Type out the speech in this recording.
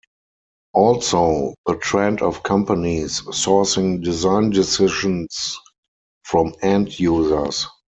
Also, the trend of companies sourcing design decisions from end users.